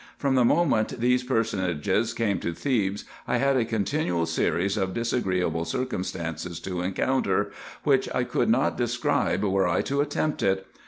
From the moment these personages came to Thebes, I had a continual series of disagreeable circumstances to encounter, which I could not describe, were I to attempt it.